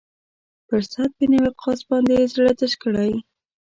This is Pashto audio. پر سعد بن وقاص باندې یې زړه تش کړی.